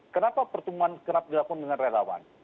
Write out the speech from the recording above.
kenapa pertemuan kerap dilakukan dengan relawan